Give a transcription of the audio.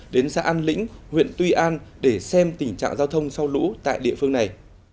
đến xã an lĩnh huyện tuy an để xem tình trạng giao thông sau lũ tại địa phương này